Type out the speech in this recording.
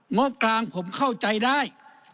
งบกลางผมเข้าใจได้